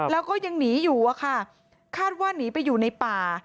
แล้วก็ยังหนีอยู่อะค่ะคาดว่าหนีไปอยู่ในป่า